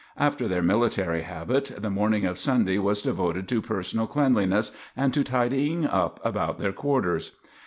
After their military habit, the morning of Sunday was devoted to personal cleanliness and to tidying up about their quarters.